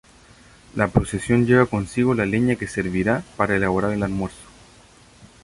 La procesión lleva consigo la leña que servirá para elaborar el almuerzo.